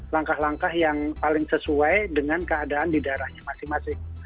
langkah langkah yang paling sesuai dengan keadaan di daerahnya masing masing